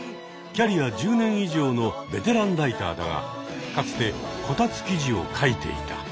キャリア１０年以上のベテランライターだがかつて「こたつ記事」を書いていた。